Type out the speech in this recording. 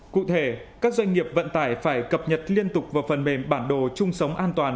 cụ thể các doanh nghiệp vận tải phải cập nhật liên tục vào phần mềm bản đồ chung sống an toàn